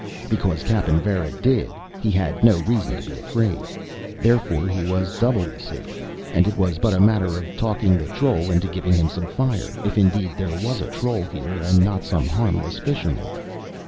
Because Cappen Varra did, he had no reason to be afraid; therefore he was doubly safe, and it was but a matter of talking the troll into giving him some fire. If indeed there was a troll here, and not some harmless fisherman.